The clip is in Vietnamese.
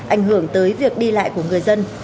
ảnh hưởng tới việc đi lại của người dân